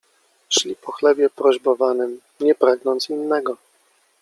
Szli po chlebie prośbowanym, nie pragnąc innego.